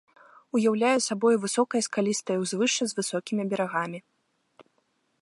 Уяўляе сабою высокае скалістае ўзвышша з высокімі берагамі.